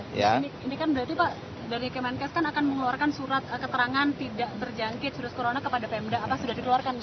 ini kan berarti pak dari kemenkes kan akan mengeluarkan surat keterangan tidak terjangkit virus corona kepada pemda apa sudah dikeluarkan pak